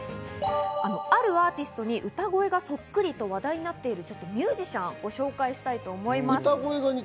あるアーティストに歌声がそっくり！と話題になっているミュージシャンをご紹介したいと思います。